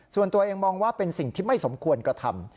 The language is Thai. ส่วนตัวเองมองว่าเป็นสิ่งที่ไม่สมควรกระทำ